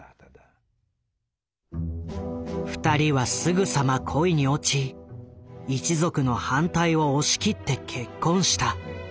２人はすぐさま恋に落ち一族の反対を押し切って結婚した。